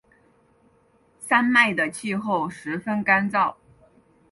山脉的气候十分干燥。